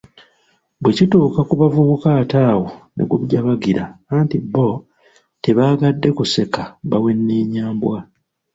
Bwe kituuka ku bavubuka ate awo ne gujabagalira anti bo tebaagadde kuseka baweneenya mbwa!